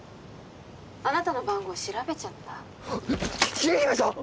☎あなたの番号調べちゃった桐姫さん！？